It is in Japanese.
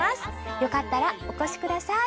よかったらお越しください。